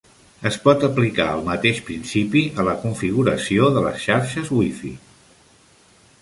Es pot aplicar el mateix principi a la configuració de les xarxes WiFi.